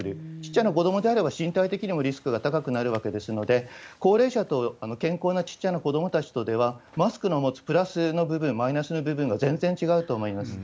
ちっちゃな子どもであれば身体にもリスクが高くなるわけですので、高齢者と健康な小っちゃな子どもたちとでは、マスクの持つプラスの部分、マイナスの部分が全然違うと思います。